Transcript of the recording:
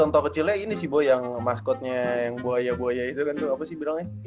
ya contoh kecilnya ini sih boy yang maskotnya yang boya boya itu kan tuh apa sih bilangnya